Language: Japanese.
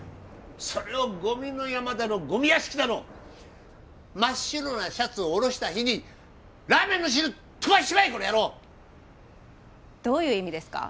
それをゴミの山だのゴミ屋敷だの真っ白なシャツをおろした日にラーメンの汁飛ばしちまえこの野郎どういう意味ですか？